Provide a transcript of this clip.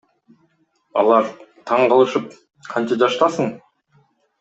Алар таң калышып Канча жаштасың?